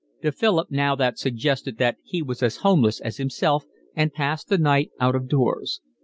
To Philip now that suggested that he was as homeless as himself and passed the night out of doors.